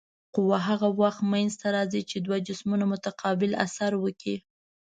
قوه هغه وخت منځته راځي چې دوه جسمونه متقابل اثر وکړي.